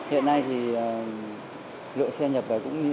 hiện nay thì lượng xe nhập về cũng rất nhiều